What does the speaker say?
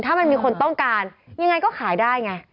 ถ้ามันมีคนต้องการยังไงก็ขายได้ไง